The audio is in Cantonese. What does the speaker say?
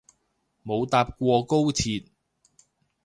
冇搭過高鐵